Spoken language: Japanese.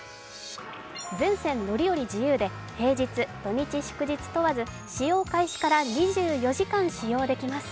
前線乗り降り自由で平日・土日祝日問わず使用開始から２４時間使用できます。